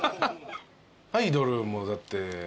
アイドルもだって。